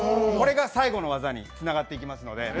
これが最後の業につながっていきますので。